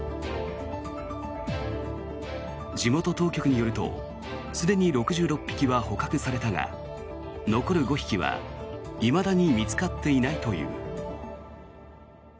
地元当局によるとすでに６６匹は捕獲されたが残る５匹はいまだに見つかっていないという。